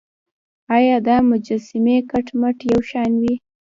ایا دا مجسمې کټ مټ یو شان وې.